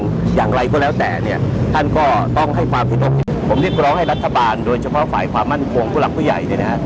ฉันเรียกร้องให้รัฐบาลโดยเฉพาะฝ่ายความมั่นควงผู้หลักผู้ใหญ่นะฮะ